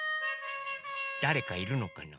だれかいるのかな？